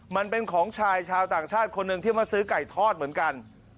มันเป็นของชายชาวต่างชาติคนหนึ่งที่มาซื้อไก่ทอดเหมือนกัน